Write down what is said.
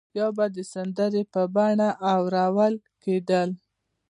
یا به د سندرو په بڼه اورول کېدل.